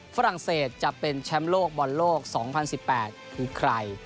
ฝรั่งเศสจะเป็นแชมป์โลกบอลโลก๒๐๑๘คือใคร